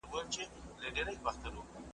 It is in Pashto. چي پېزوان به یې په خره پسي کشیږي `